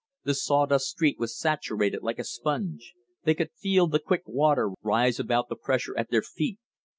The saw dust street was saturated like a sponge. They could feel the quick water rise about the pressure at their feet.